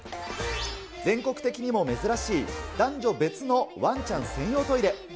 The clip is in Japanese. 全国的にも珍しい男女別のワンちゃん専用トイレ。